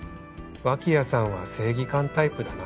脇谷さんは正義感タイプだな。